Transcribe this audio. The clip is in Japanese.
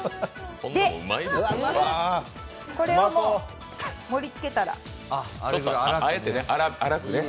これを盛りつけたら。